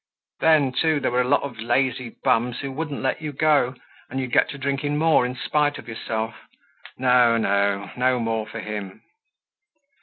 Then, too, there were a lot of lazy bums who wouldn't let you go and you'd get to drinking more in spite of yourself. No, no, no more for him.